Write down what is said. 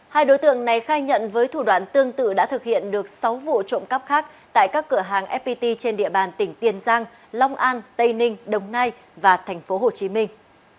hai đối tượng này khai nhận với thủ đoạn tương tự đã thực hiện được sáu vụ trộm cắp khác tại các cửa hàng fpt trên địa bàn tỉnh tiền giang long an tây ninh đồng nai và thành phố hồ chí minh